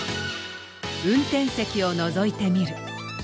運転席をのぞいてみる。